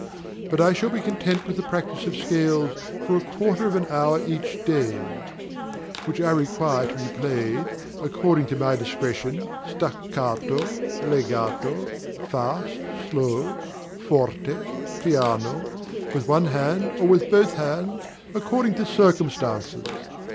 But I shall be content with the practice of scales for a quarter of an hour each day, which I require to be played, according to my discretion, staccato, legato, fast, slow, forte, piano, with one hand or with both hands, according to circumstances.